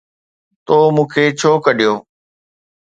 ”تو مون کي ڇو ڪڍيو؟